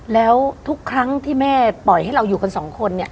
แล้วทุกครั้งที่แม่ปล่อยให้เราอยู่กันสองคนเนี่ย